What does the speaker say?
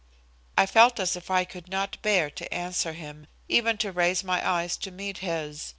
I felt as if I could not bear to answer him, even to raise my eyes to meet his.